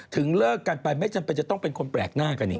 เลิกกันไปไม่จำเป็นจะต้องเป็นคนแปลกหน้ากันอีก